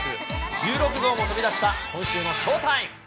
１６号も飛び出した今週のショータイム。